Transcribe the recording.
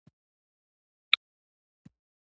فکر پاک کړه.